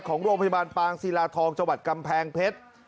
ของโรงพยาบาลปางศิราทองจกำแพงเพชร